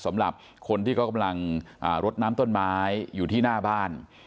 สำหรับคนที่เขากำลังรดน้ำต้นไม้อยู่ที่หน้าบ้าน